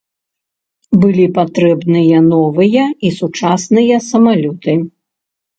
Былі патрэбныя новыя і сучасныя самалёты.